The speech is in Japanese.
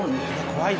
怖い。